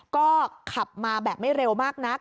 ก็ขับมาแบบไม่เร็วมากนัก